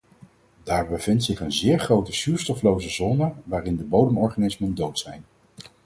Daar bevindt zich een zeer grote zuurstofloze zone waarin de bodemorganismen dood zijn.